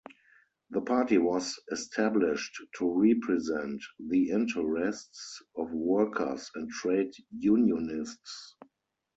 The party was established to represent the interests of workers and trade unionists.